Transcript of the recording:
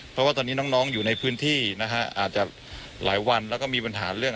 เพราะว่าตอนนี้น้องอยู่ในพื้นที่นะฮะอาจจะหลายวันแล้วก็มีปัญหาเรื่อง